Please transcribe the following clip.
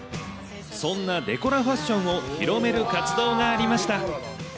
そんなデコラファッションを広める活動がありました。